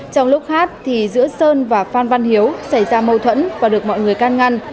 trong lúc hát thì giữa sơn và phan văn hiếu xảy ra mâu thuẫn và được mọi người can ngăn